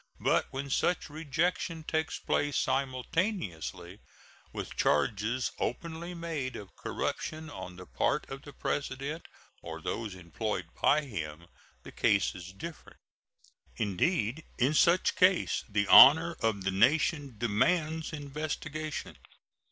But when such rejection takes place simultaneously with charges openly made of corruption on the part of the President or those employed by him the case is different. Indeed, in such case the honor of the nation demands investigation.